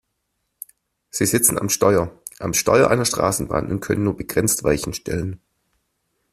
Sie sitzen am Steuer - am Steuer einer Straßenbahn und können nur begrenzt Weichen stellen.